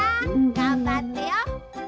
がんばってよ。